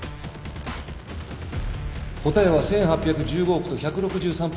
答えは１，８１５億と１６３％。